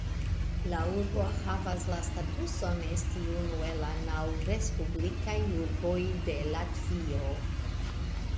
La urbo havas la statuson esti unu el la naŭ "respublikaj urboj de Latvio".